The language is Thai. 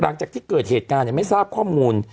หลังจากที่เกิดเหตุการณ์ไม่ทราบข้อมูล